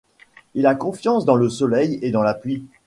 Il a confiance dans le soleil et dans la pluie.